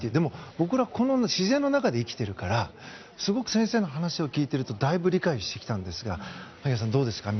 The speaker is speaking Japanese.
僕ら自然の中で生きているからすごく先生の話を聞いているとだいぶ理解してきたんですが萩谷さん、どうですか？